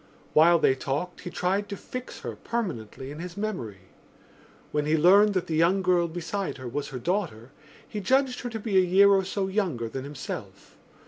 While they talked he tried to fix her permanently in his memory. When he learned that the young girl beside her was her daughter he judged her to be a year or so younger than himself.